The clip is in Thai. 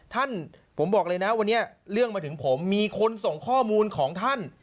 ท่านผมบอกเลยนะวันนี้เรื่องมาถึงผมมีคนส่งข้อมูลของท่าน